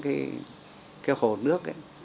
cái hồ nước ấy